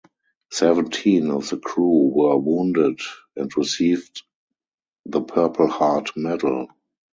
Seventeen of the crew were wounded and received the Purple Heart medal.